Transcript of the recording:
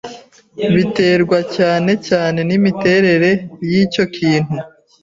Biterwa cyane cyane n'imiterere y'icyo kintu